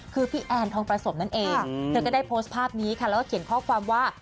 คือพี่แอนทองประสมนั่นเองเธอก็ได้โพสต์ภาพนี้ค่ะแล้วก็เขียนข้อความว่า